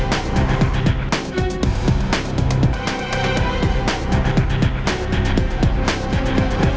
hebat sekali tuan